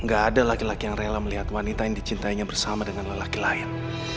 gak ada laki laki yang rela melihat wanita yang dicintainya bersama dengan lelaki lain